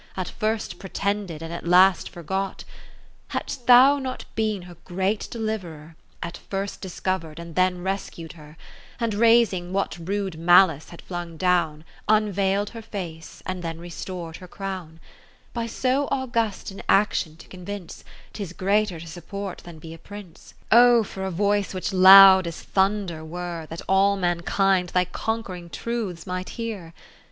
At first pretended, and at last forgot ; Hadst thou not been her great deli verer, At first discover'd, and then rescu'd her, And raising what rude malice had flung down, Unveil'd her face, and then restor'd her crown ; By so august an action to con vince, 'Tis greater to support than be a Prince. 20 Oh for a voice which loud as thunder were. That all mankind thy conqu'ring truths might hear